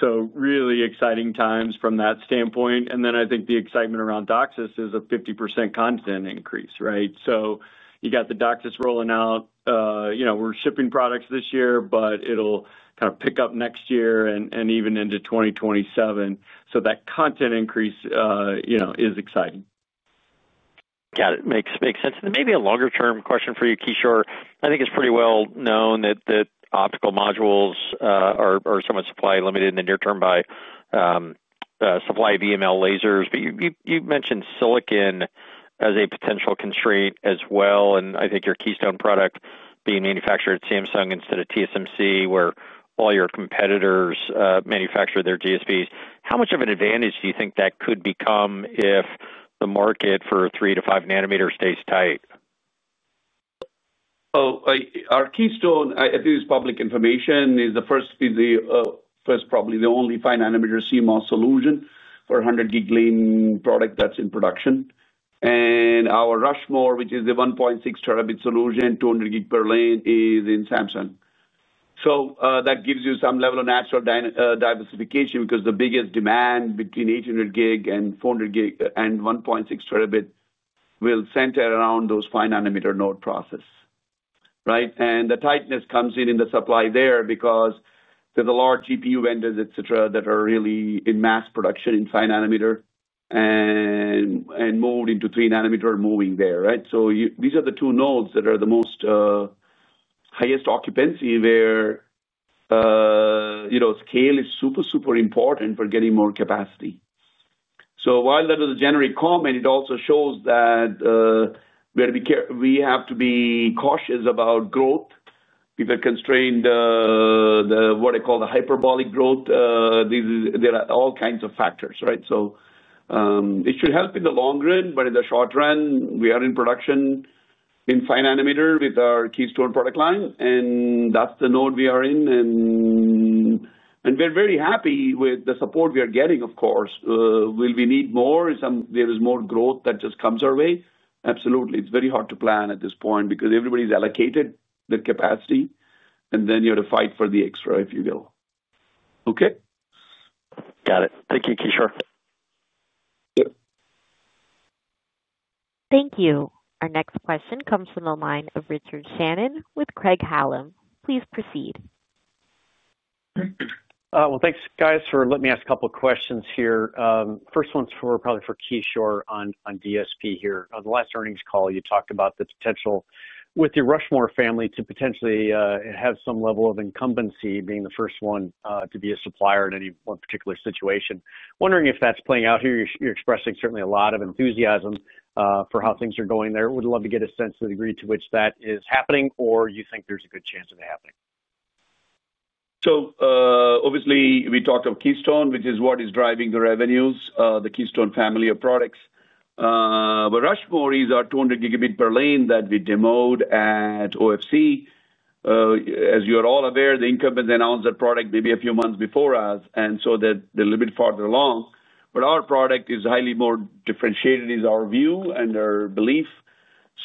S4: Really exciting times from that standpoint. I think the excitement around DOCSIS is a 50% content increase, right? You got the DOCSIS rolling out. We're shipping products this year, but it'll kind of pick up next year and even into 2027. That content increase is exciting.
S11: Got it. Makes sense. Maybe a longer-term question for you, Kishore. I think it's pretty well known that optical modules are somewhat supply limited in the near term by supply of EML lasers. You mentioned silicon as a potential constraint as well. I think your Keystone product is being manufactured at Samsung instead of TSMC, where all your competitors manufacture their DSPs. How much of an advantage do you think that could become if the market for 3 nm-5 nm stays tight?
S3: Our Keystone, I think it's public information, is the first, probably the only 5 nm CMOS solution for a 100 gig lane product that's in production. Our Rushmore, which is the 1.6 Tb solution, 200 gig per lane, is in Samsung. That gives you some level of natural diversification because the biggest demand between 800 gig and 400 gig and 1.6 Tb will center around those 5 nm node process, right? The tightness comes in the supply there because there's a lot of GPU vendors, etc., that are really in mass production in 5 nanometer and move into 3 nm moving there, right? These are the two nodes that are the most highest occupancy where, you know, scale is super, super important for getting more capacity. While that was a generic comment, it also shows that we have to be cautious about growth. People are constrained to what I call the hyperbolic growth. There are all kinds of factors, right? It should help in the long run, but in the short run, we are in production in 5 nanometer with our Keystone product line, and that's the node we are in. We're very happy with the support we are getting, of course. Will we need more? There is more growth that just comes our way? Absolutely. It's very hard to plan at this point because everybody's allocated their capacity, and then you have to fight for the extra, if you will. Okay.
S7: Got it. Thank you, Kishore.
S3: Yep.
S1: Thank you. Our next question comes from the line of Richard Shannon with Craig-Hallum. Please proceed.
S12: Thank you, guys, for letting me ask a couple of questions here. First one's probably for Kishore on DSP here. On the last earnings call, you talked about the potential with the Rushmore family to potentially have some level of incumbency, being the first one to be a supplier in any one particular situation. Wondering if that's playing out here. You're expressing certainly a lot of enthusiasm for how things are going there. Would love to get a sense of the degree to which that is happening, or you think there's a good chance of it happening.
S3: Obviously, we talked of Keystone, which is what is driving the revenues, the Keystone family of products. Rushmore is our 200 Gb per lane that we demoed at OFC. As you are all aware, the incumbents announced their product maybe a few months before us, and so they're a little bit farther along. Our product is highly more differentiated, is our view and our belief.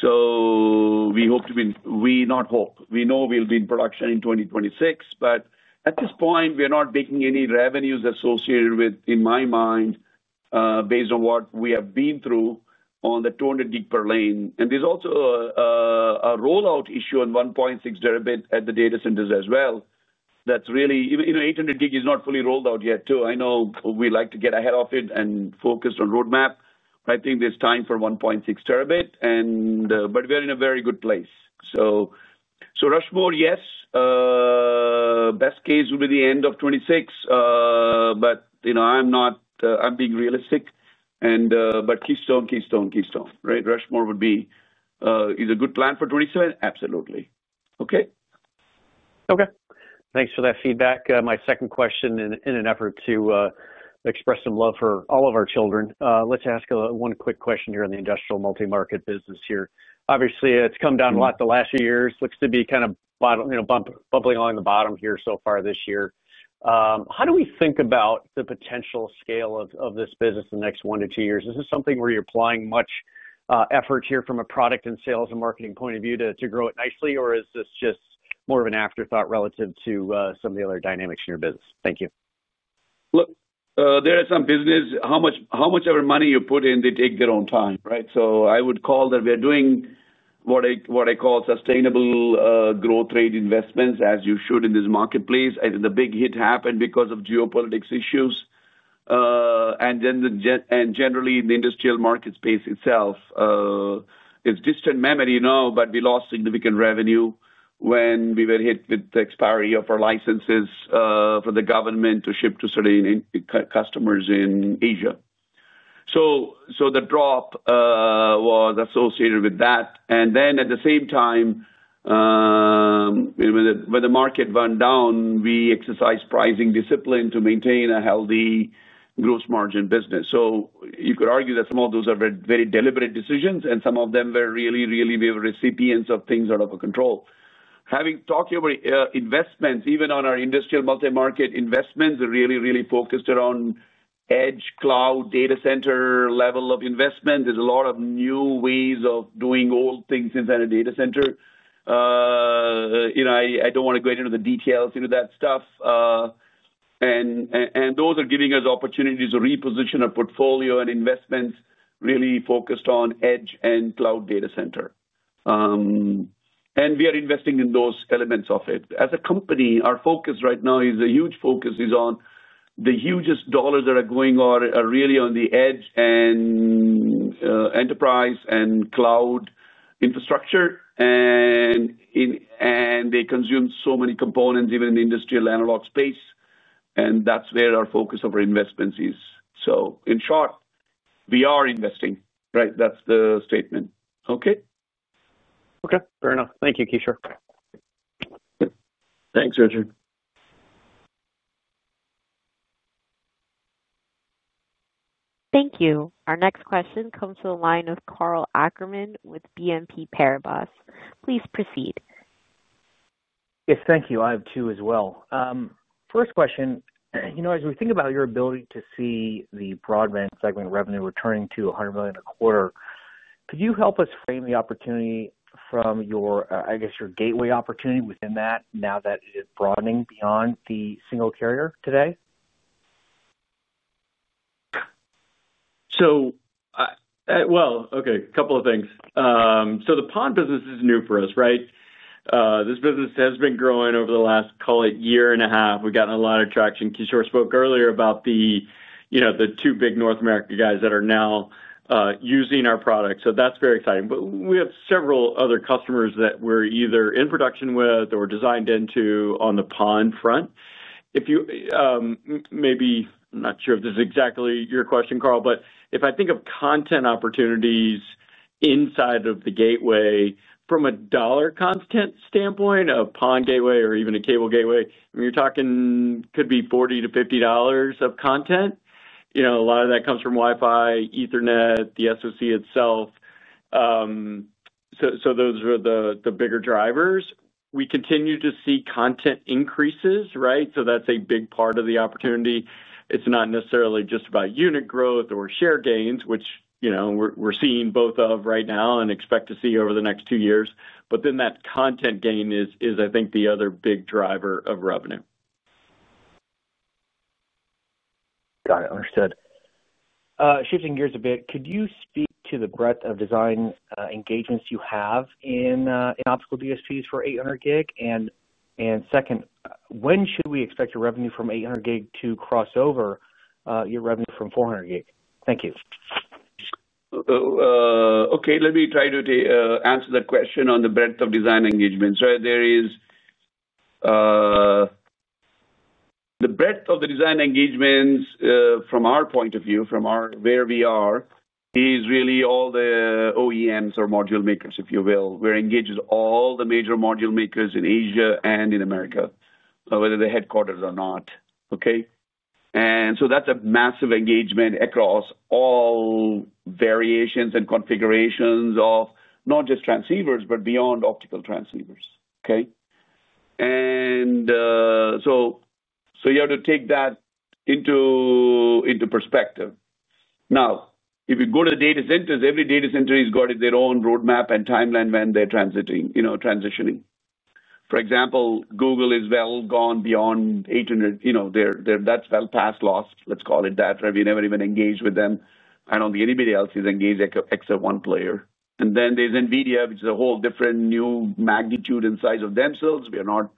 S3: We hope to be, we not hope. We know we'll be in production in 2026, but at this point, we're not making any revenues associated with, in my mind, based on what we have been through on the 200-gig per lane. There's also a rollout issue on 1.6-terabit at the data centers as well. That's really, you know, 800-gig is not fully rolled out yet too. I know we like to get ahead of it and focus on roadmap, but I think there's time for 1.6 Tb, and we're in a very good place. Rushmore, yes, best case would be the end of 2026. I'm not, I'm being realistic. Keystone, Keystone, Keystone, right? Rushmore would be, is a good plan for 2027? Absolutely. Okay?
S12: Okay. Thanks for that feedback. My second question, in an effort to express some love for all of our children, let's ask one quick question here on the industrial multi-market business. Obviously, it's come down a lot the last few years. Looks to be kind of bottom, you know, bumbling along the bottom here so far this year. How do we think about the potential scale of this business in the next one to two years? Is this something where you're applying much effort here from a product and sales and marketing point of view to grow it nicely, or is this just more of an afterthought relative to some of the other dynamics in your business? Thank you.
S3: Look, there are some businesses, however much money you put in, they take their own time, right? I would call that we are doing what I call sustainable growth rate investments, as you should in this marketplace. The big hit happened because of geopolitics issues. Generally, in the industrial market space itself, it's distant memory, you know, but we lost significant revenue when we were hit with the expiry of our licenses for the government to ship to certain customers in Asia. The drop was associated with that. At the same time, when the market went down, we exercised pricing discipline to maintain a healthy gross margin business. You could argue that some of those are very deliberate decisions, and some of them were really, really, we were recipients of things out of our control. Having talked to you about investments, even on our industrial multi-market investments, are really, really focused around edge, cloud, data center level of investment. There's a lot of new ways of doing all things inside a data center. I don't want to go into the details into that stuff. Those are giving us opportunities to reposition our portfolio and investments really focused on edge and cloud data center. We are investing in those elements of it. As a company, our focus right now is a huge focus on the hugest dollars that are going on are really on the edge and enterprise and cloud infrastructure. They consume so many components, even in the industrial analog space. That's where our focus of our investments is. In short, we are investing, right? That's the statement. Okay?
S12: Okay. Fair enough. Thank you, Kishore.
S3: Thanks, Richard.
S1: Thank you. Our next question comes to the line of Karl Ackerman with BNP Paribas. Please proceed.
S13: Yes, thank you. I have two as well. First question, as we think about your ability to see the broadband segment revenue returning to $100 million a quarter, could you help us frame the opportunity from your, I guess, your gateway opportunity within that now that it is broadening beyond the single carrier today?
S4: A couple of things. The PON business is new for us, right? This business has been growing over the last, call it, year and a half. We've gotten a lot of traction. Kishore spoke earlier about the, you know, the two big North American guys that are now using our product. That's very exciting. We have several other customers that we're either in production with or designed into on the PON front. If you, maybe, I'm not sure if this is exactly your question, Karl, but if I think of content opportunities inside of the gateway from a dollar content standpoint of PON gateway or even a cable gateway, I mean, you're talking could be $40-$50 of content. A lot of that comes from Wi-Fi, Ethernet, the SoC itself. Those are the bigger drivers. We continue to see content increases, right? That's a big part of the opportunity. It's not necessarily just about unit growth or share gains, which, you know, we're seeing both of right now and expect to see over the next two years. That content gain is, I think, the other big driver of revenue.
S13: Got it. Understood. Shifting gears a bit, could you speak to the breadth of design engagements you have in optical DSPs for 800 gig? When should we expect your revenue from 800 gig to cross over your revenue from 400 gig? Thank you.
S3: Okay. Let me try to answer that question on the breadth of design engagements. There is the breadth of the design engagements from our point of view, from where we are, is really all the OEMs or module makers, if you will. We're engaged with all the major module makers in Asia and in America, whether they're headquartered or not. That's a massive engagement across all variations and configurations of not just transceivers, but beyond optical transceivers. You have to take that into perspective. If you go to the data centers, every data center has got their own roadmap and timeline when they're transitioning. For example, Google is well gone beyond 800. That's well past loss, let's call it that, right? We never even engage with them. I don't think anybody else is engaged except one player. Then there's NVIDIA, which is a whole different new magnitude and size of themselves. We are not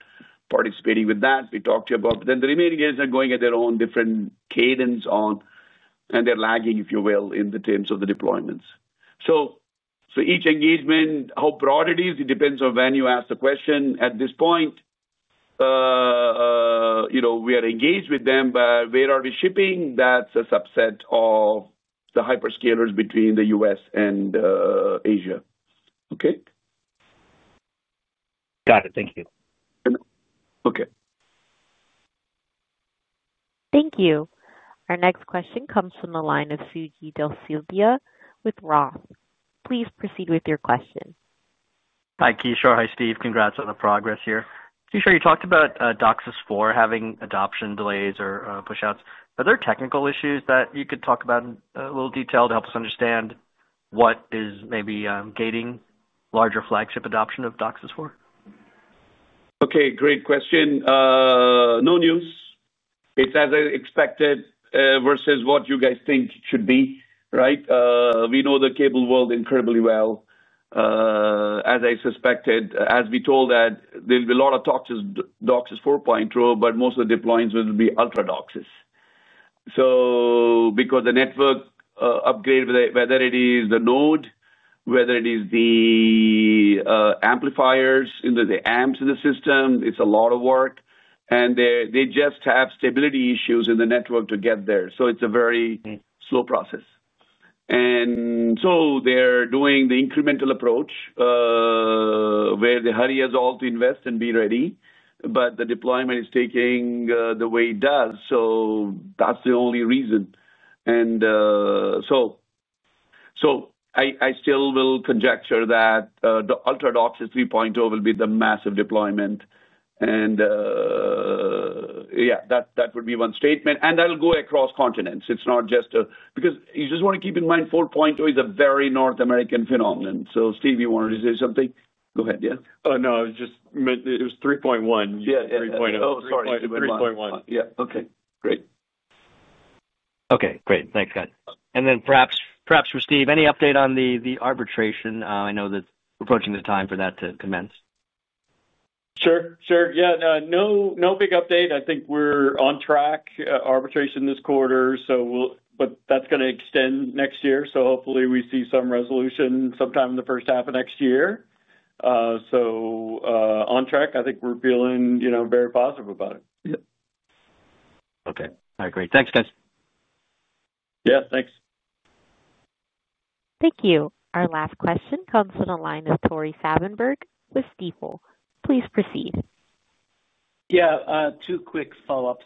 S3: participating with that. We talked to you about, but the remaining guys are going at their own different cadence, and they're lagging, if you will, in the terms of the deployments. Each engagement, how broad it is, depends on when you ask the question. At this point, we are engaged with them, but where are we shipping? That's a subset of the hyperscalers between the U.S. and Asia.
S13: Got it. Thank you.
S3: Okay.
S1: Thank you. Our next question comes from the line of Suji Desilva with ROTH. Please proceed with your question.
S14: Hi, Kishore. Hi, Steve. Congrats on the progress here. Kishore, you talked about DOCSIS 4 having adoption delays or push-outs. Are there technical issues that you could talk about in a little detail to help us understand what is maybe gating larger flagship adoption of DOCSIS 4 ? Okay. Great question. No news. It's as expected versus what you guys think should be, right? We know the cable world incredibly well. As I suspected, as we told that there'll be a lot of DOCSIS 4.0, but most of the deployments will be ultra DOCSIS. The network upgrade, whether it is the node, whether it is the amplifiers in the amps in the system, it's a lot of work. They just have stability issues in the network to get there. It's a very slow process. They're doing the incremental approach where they hurry us all to invest and be ready, but the deployment is taking the way it does. That's the only reason. I still will conjecture that the ultra DOCSIS 3.0 will be the massive deployment. That would be one statement. That'll go across continents. It's not just because you just want to keep in mind 4.0 is a very North American phenomenon. Steve, you wanted to say something? Go ahead, yeah.
S4: I just meant it was 3.1.
S3: Yeah, yeah.
S4: 3.0.
S3: Oh, sorry.
S4: 3.1.
S3: Yeah, okay. Great.
S14: Okay. Great. Thanks, guys. Perhaps for Steve, any update on the arbitration? I know that we're approaching the time for that to commence.
S4: Sure. Yeah. No big update. I think we're on track arbitration this quarter, but that's going to extend next year. Hopefully, we see some resolution sometime in the first half of next year. On track. I think we're feeling, you know, very positive about it.
S14: Okay. All right. Great. Thanks, guys.
S4: Yeah, thanks.
S1: Thank you. Our last question comes from the line of Tore Svanberg with Stifel. Please proceed.
S5: Yeah. Two quick follow-ups.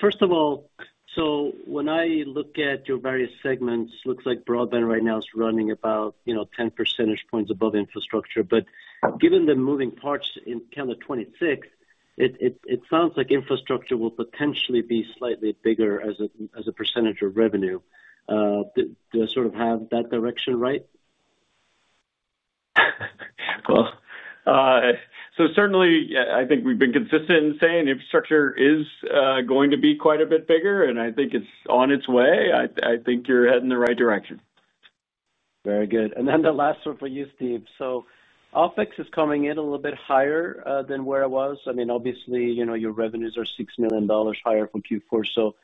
S5: First of all, when I look at your various segments, it looks like broadband right now is running about 10% above infrastructure. Given the moving parts in calendar 2026, it sounds like infrastructure will potentially be slightly bigger as a percentage of revenue. Do I sort of have that direction right?
S3: I think we've been consistent in saying infrastructure is going to be quite a bit bigger, and I think it's on its way. I think you're heading in the right direction.
S5: Very good. The last one for you, Steve. OpEx is coming in a little bit higher than where it was. Obviously, your revenues are $6 million higher from Q4, so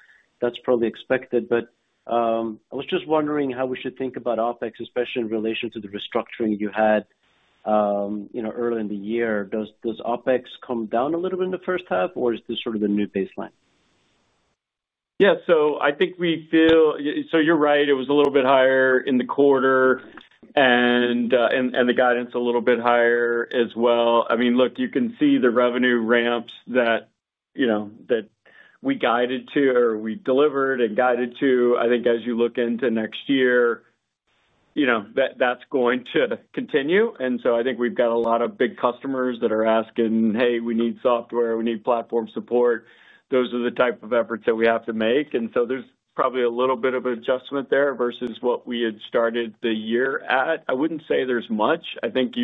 S5: that's probably expected. I was just wondering how we should think about OpEx, especially in relation to the restructuring you had early in the year. Does OpEx come down a little bit in the first half, or is this sort of the new baseline?
S4: Yeah. I think we feel, you're right. It was a little bit higher in the quarter, and the guidance a little bit higher as well. I mean, look, you can see the revenue ramps that we guided to or we delivered and guided to. I think as you look into next year, that's going to continue. I think we've got a lot of big customers that are asking, "Hey, we need software. We need platform support." Those are the type of efforts that we have to make. There's probably a little bit of an adjustment there versus what we had started the year at. I wouldn't say there's much. I think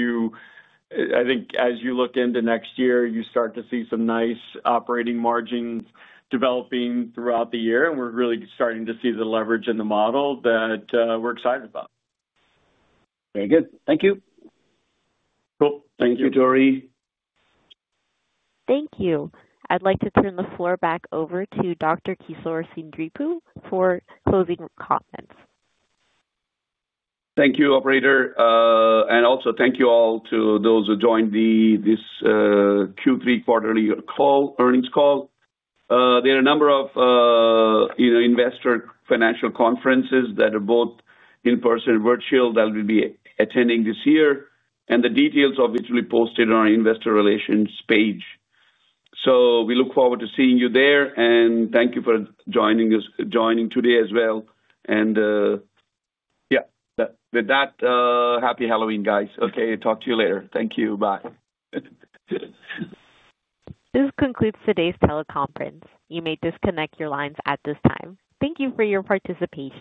S4: as you look into next year, you start to see some nice operating margins developing throughout the year, and we're really starting to see the leverage in the model that we're excited about.
S5: Very good. Thank you.
S4: Cool. Thank you, Tore.
S1: Thank you. I'd like to turn the floor back over to Dr. Kishore Seendripu for closing comments.
S3: Thank you, operator. Thank you all to those who joined this Q3 quarterly call, earnings call. There are a number of investor financial conferences that are both in-person and virtual that we'll be attending this year. The details of it will be posted on our investor relations page. We look forward to seeing you there, and thank you for joining us, joining today as well. With that, happy Halloween, guys. Okay. Talk to you later. Thank you. Bye.
S1: This concludes today's teleconference. You may disconnect your lines at this time. Thank you for your participation.